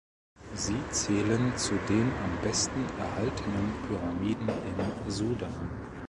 Sie zählen zu den am besten erhaltenen Pyramiden im Sudan.